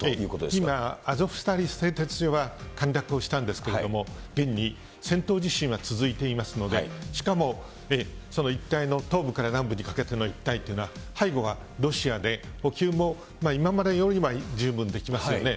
今、アゾフスターリ製鉄所は陥落をしたんですけれども、現に戦闘自身は続いていますので、しかも、その一帯の東部から南部にかけての一帯というのは、背後はロシアで補給も今までよりは十分できますよね。